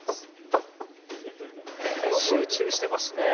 集中してますね。